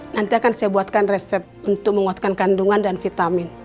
nanti akan saya buatkan resep untuk menguatkan kandungan dan vitamin